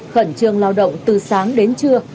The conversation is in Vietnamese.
khẩn trương lao động từ sáng đến trưa